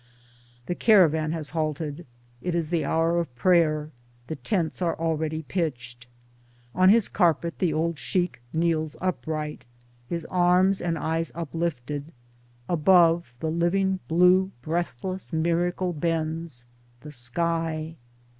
The caravan has halted : it is the hour of prayer, the tents are already pitched ; On his carpet the old Sheikh kneels upright — his arms and eyes uplifted; above, the living blue breathless miracle bends — the sky